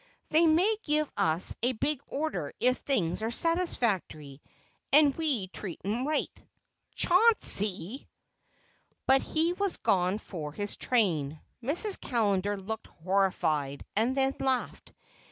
They may give us a big order if things are satisfactory, and we treat 'em right." "Chauncey!" But he was gone for his train. Mrs. Callender looked horrified, and then laughed.